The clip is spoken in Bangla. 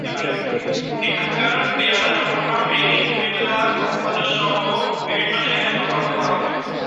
এখানকার পেয়ারা চট্টগ্রাম, ফেনী, কুমিল্লা, কক্সবাজারসহ বিভিন্ন জায়গায় সরবরাহ করা হয়।